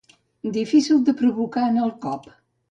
Difícil de provocar en el cop.